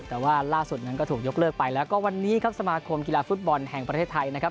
แต่ว่าล่าสุดนั้นก็ถูกยกเลิกไปแล้วก็วันนี้ครับสมาคมกีฬาฟุตบอลแห่งประเทศไทยนะครับ